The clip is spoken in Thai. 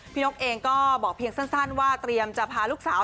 นกเองก็บอกเพียงสั้นว่าเตรียมจะพาลูกสาว